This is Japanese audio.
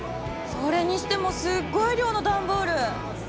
それにしてもすっごい量のダンボール。